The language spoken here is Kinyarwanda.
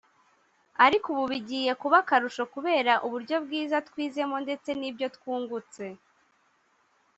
ariko ubu bigiye kuba akarusho kubera uburyo bwiza twizemo ndetse n’ibyo twungutse